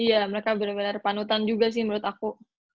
iya mereka bener bener panutan juga sih menurut aku